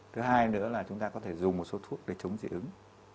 thứ hai nữa là chúng ta có thể dùng một số thuốc để chống dị ứng